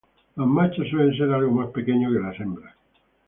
Los machos suelen ser algo más pequeños que las hembras.